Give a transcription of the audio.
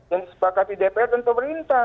yang disepakati dpr dan pemerintah